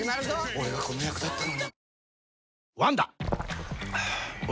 俺がこの役だったのにえ？